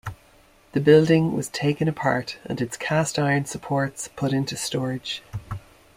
The building was taken apart and its cast-iron supports put into storage.